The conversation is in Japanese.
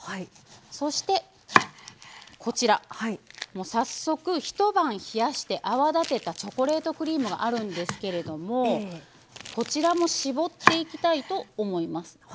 そして、早速、一晩冷やして泡立てたチョコレートクリームがあるんですけれどもこちらも絞っていきたいと思います。